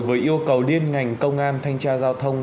với yêu cầu liên ngành công an thanh tra giao thông